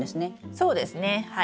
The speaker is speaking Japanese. そうですねはい。